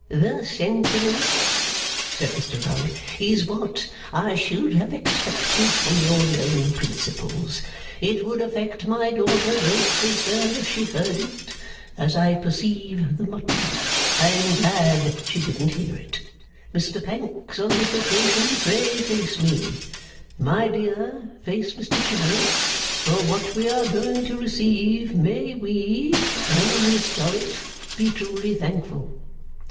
'The sentiment,' said Mr Rugg, 'is what I should have expected from your known principles. It would affect my daughter greatly, sir, if she heard it. As I perceive the mutton, I am glad she didn't hear it. Mr Pancks, on this occasion, pray face me. My dear, face Mr Chivery. For what we are going to receive, may we (and Miss Dorrit) be truly thankful!